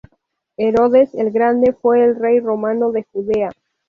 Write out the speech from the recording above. Herodes el Grande fue el rey romano de Judea.